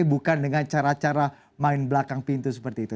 bukan dengan cara cara main belakang pintu seperti itu